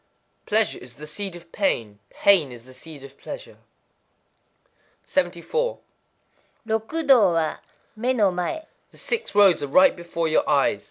_ Pleasure is the seed of pain; pain is the seed of pleasure. 74.—Rokudō wa, mé no maë. The Six Roads are right before your eyes.